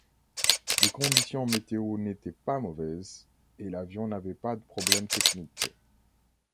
Les conditions météo n'étaient pas mauvaises, et l'avion n'avait pas de problème technique.